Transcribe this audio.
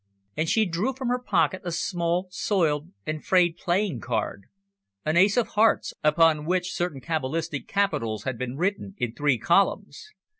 And she drew from her pocket a small, soiled and frayed playing card, an ace of hearts, upon which certain cabalistic capitals had been written in three columns.